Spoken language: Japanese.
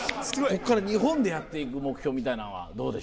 こっから日本でやっていく目標みたいなんはどうでしょう？